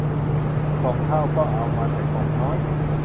ก่องข้าวก็เอามาแต่ก่องน้อย